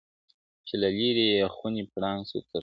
چي له لیري یې خوني پړانګ سو تر سترګو -